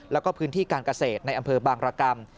แล้วก็พื้นที่การเกษตรในอำเภอบางรกรรม